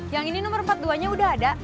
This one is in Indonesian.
yang ini nomor empat puluh dua nya udah ada